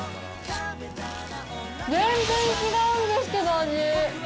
全然違うんですけど、味。